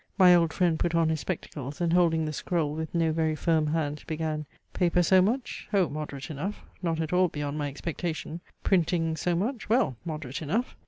My old friend put on his spectacles, and holding the scroll with no very firm hand, began "Paper, so much: O moderate enough not at all beyond my expectation! Printing, so much: well! moderate enough!